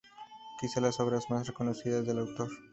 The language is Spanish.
Quizás la obra más conocida del autor.